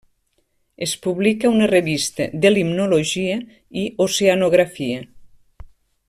Es publica una revista de limnologia i oceanografia.